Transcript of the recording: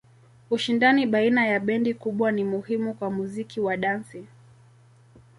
Ushindani baina ya bendi kubwa ni muhimu kwa muziki wa dansi.